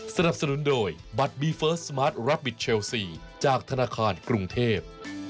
สนับสนุนโดยบัตรบีเฟิร์สสมาร์ทรับบิทเชลซีจากธนาคารกรุงเทพ